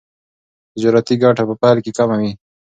تجارتي ګټه په پیل کې کمه وي.